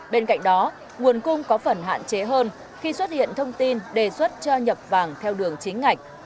bên cạnh đó nguồn cung có phần hạn chế hơn khi xuất hiện thông tin đề xuất cho nhập vàng theo đường chính ngạch